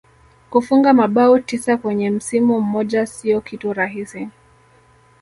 kufunga mabao tisa kwenye msimu mmoja sio kitu rahisi